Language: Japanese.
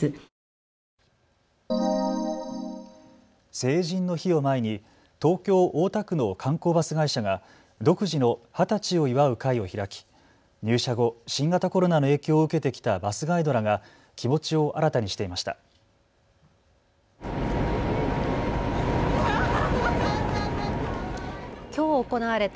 成人の日を前に東京大田区の観光バス会社が独自の二十歳を祝う会を開き入社後、新型コロナの影響を受けてきたバスガイドらが気持ちを新たにしていました。